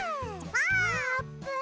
あーぷん。